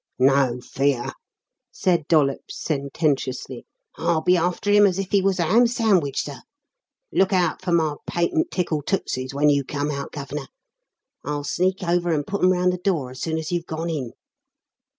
"No fear!" said Dollops sententiously. "I'll be after him as if he was a ham sandwich, sir. Look out for my patent 'Tickle Tootsies' when you come out, Gov'nor. I'll sneak over and put 'em round the door as soon as you've gone in."